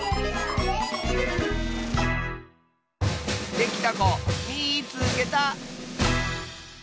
できたこみいつけた！